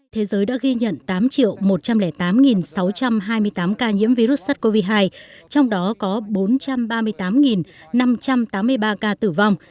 thế giới đã ghi nhận tám một trăm linh tám sáu trăm hai mươi tám ca nhiễm virus sars cov hai trong đó có bốn trăm ba mươi tám năm trăm tám mươi ba ca tử vong